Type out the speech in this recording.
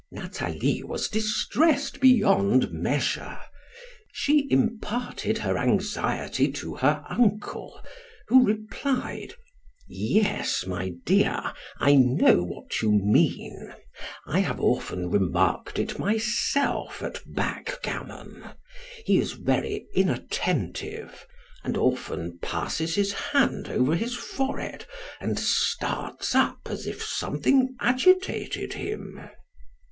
Nathalie was distressed beyond measure. She imparted her anxiety to her uncle, who replied: "Yes, my dear, I know what you mean; I have often remarked it myself, at backgammon. He is very inattentive, and often passes his hand over his forehead, and starts up as if something agitated him."